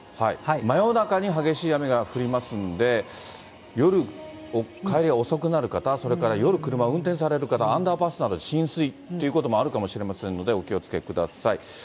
真夜中に激しい雨が降りますんで、夜、帰りが遅くなる方、それから夜車を運転される方、アンダーパスなどの浸水ということもあるかもしれませんので、お気をつけください。